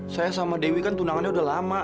saya sama dewi kan tunangannya udah lama